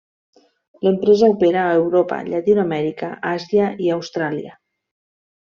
L'empresa opera a Europa, Llatinoamèrica, Àsia i Austràlia.